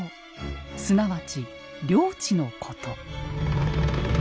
すなわち領地のこと。